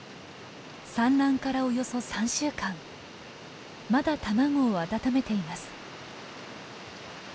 産卵からおよそ３週間まだ卵を温めています。